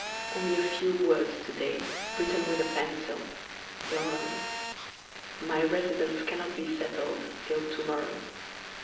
Only a few words to day, written with a pencil (your own). My residence cannot be settled till to morrow.